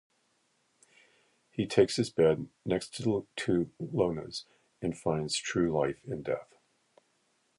He takes his bed, next to Lona's, and finds true life in death.